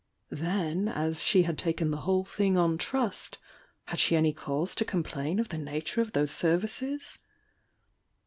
Then, as she had taken the whole thint; on trust had she any cause to complain of the na ure of those services?